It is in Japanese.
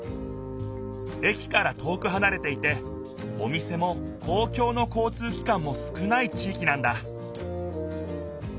駅から遠くはなれていてお店も公共の交通機関も少ない地いきなんだ